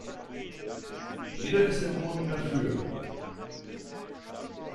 Jeder ist im Grunde dafür.